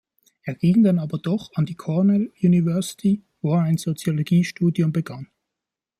Er ging dann aber doch an die Cornell University, wo er ein Soziologie-Studium begann.